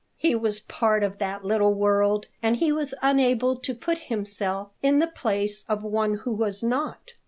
He was part of that little world, and he was unable to put himself in the place of one who was not.